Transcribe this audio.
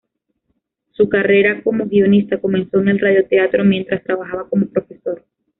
Su carrera como guionista comenzó en el radioteatro mientras trabajaba como profesor.